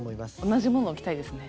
同じ物を着たいですね。